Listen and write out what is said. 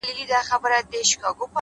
د کوټې خاموشي د فکر غږ لوړوي’